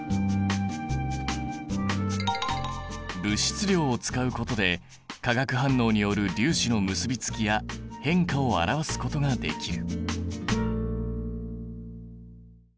物質量を使うことで化学反応による粒子の結びつきや変化を表すことができる。